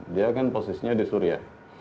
dia kan posisinya di suriah